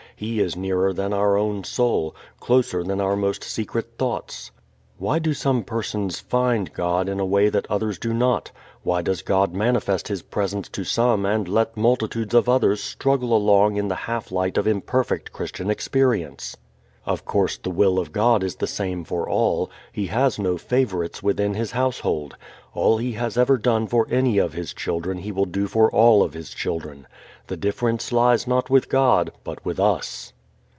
He is nearer than our own soul, closer than our most secret thoughts. Why do some persons "find" God in a way that others do not? Why does God manifest His Presence to some and let multitudes of others struggle along in the half light of imperfect Christian experience? Of course the will of God is the same for all. He has no favorites within His household. All He has ever done for any of His children He will do for all of His children. The difference lies not with God but with us.